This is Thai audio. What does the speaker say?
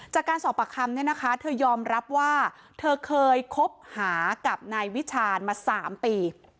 จากการสอบปากคำเนี่ยนะคะเธอยอมรับว่าเธอเคยคบหากับนายวิชาญมา๓ปี